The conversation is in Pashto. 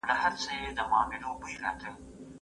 میلاټونین د تیاره په وخت کې لوړېږي.